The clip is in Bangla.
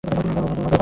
যাও, বের হও।